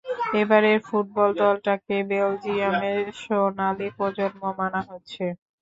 এবারের ফুটবল দলটাকে বেলজিয়ামের সোনালি প্রজন্ম মানা হচ্ছে।